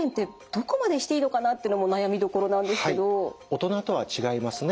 大人とは違いますね。